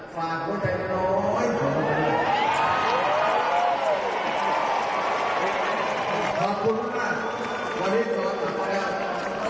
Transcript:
อ๋อสวัสดีครับ